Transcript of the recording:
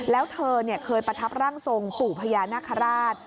แล้วเธอเคยประทับร่างทรงปู่พญานาคาราช